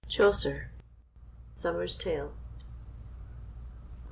CHAUCER, Sumner's Tale.